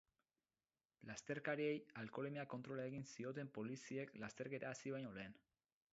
Lasterkariei alkoholemia-kontrola egin zioten poliziek lasterketa hasi baino lehen.